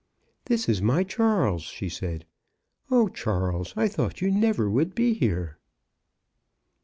This is my Charles," she said. O Charles, I thought you never would be here